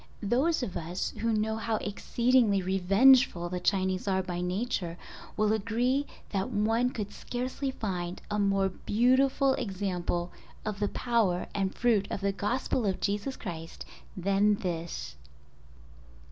Those of us who know how exceedingly revengeful the Chinese are by nature will agree that one could scarcely find a more beautiful example of the power and fruit of the Gospel of Jesus Christ than this.